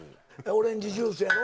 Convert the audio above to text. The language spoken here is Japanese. オレンジジュースやろ。